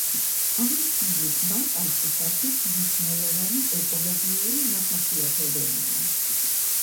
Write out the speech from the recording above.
აღნიშნული ტბა პარკისათვის მნიშვნელოვანი ეკოლოგიური მახასიათებელია.